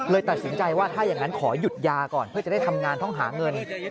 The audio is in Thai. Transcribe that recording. ตัดสินใจว่าถ้าอย่างนั้นขอหยุดยาก่อนเพื่อจะได้ทำงานต้องหาเงิน